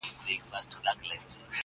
• هسي بیا نه راځو، اوس لا خُمار باسه.